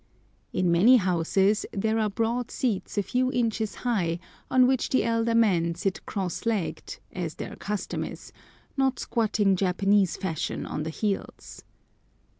In many houses there are broad seats a few inches high, on which the elder men sit cross legged, as their custom is, not squatting Japanese fashion on the heels.